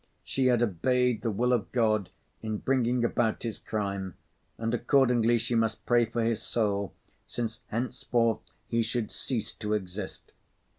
She had obeyed the will of God in bringing about his crime, and accordingly she must pray for his soul, since henceforth he should cease to exist.